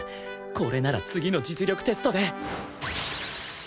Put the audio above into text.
これなら次の実力テストで